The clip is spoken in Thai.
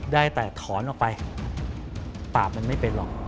ได้แต่ถอนออกไปปากมันไม่เป็นหรอก